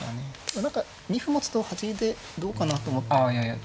何か２歩持つと端でどうかなと思って。